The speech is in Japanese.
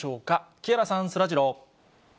木原さん、そらジロー。